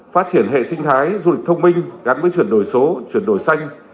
phát triển hệ sinh thái du lịch thông minh gắn với chuyển đổi số chuyển đổi xanh